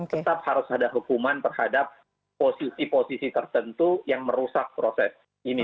tetap harus ada hukuman terhadap posisi posisi tertentu yang merusak proses ini